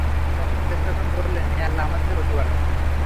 তখন ফেরেশতাগণ বললেন, হে আমাদের প্রতিপালক!